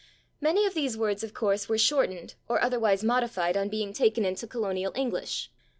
Many of these words, of course, were shortened [Pg041] or otherwise modified on being taken into colonial English.